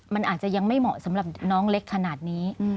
มันอาจจะยังไม่เหมาะสำหรับน้องเล็กขนาดนี้